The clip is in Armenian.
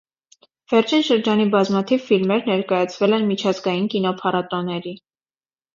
Վերջին շրջանի բազմաթիվ ֆիլմեր ներկայացվել են միջազգային կինոփառատոների։